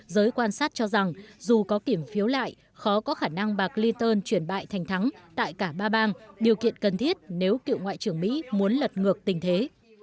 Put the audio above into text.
giới quan sát cho rằng dù có kiểm phiếu lại khó có khả năng bạc liton chuyển bại thành thắng tại cả ba bang điều kiện cần thiết nếu cựu ngoại trưởng mỹ muốn lật ngược tình thế